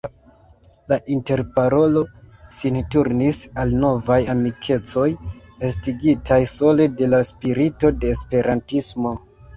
La interparolo sin turnis al novaj amikecoj, estigitaj sole de la spirito de Esperantismo.